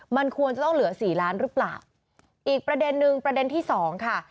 มันควรจะต้องเหลือสี่ล้านหรือเปล่าอีกประเด็นนึงประเด็นที่สองค่ะ